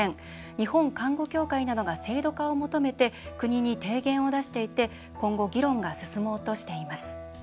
日本看護協会などが制度化を求めて国に提言を出していて今後、議論が進もうとしています。